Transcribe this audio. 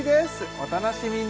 お楽しみに！